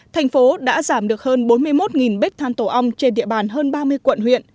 thành phố đã giảm được hơn bốn mươi một bếp than tổ ong trên địa bàn hơn ba mươi quận huyện